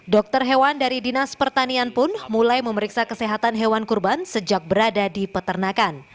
dokter hewan dari dinas pertanian pun mulai memeriksa kesehatan hewan kurban sejak berada di peternakan